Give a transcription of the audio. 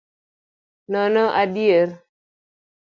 Nono adier.